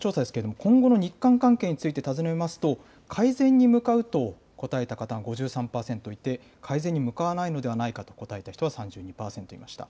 日本の世論調査ですけれども、今後の日韓関係について尋ねますと、改善に向かうと答えた方が５３％いて、改善に向かわないのではないかと答えた人は３２％いました。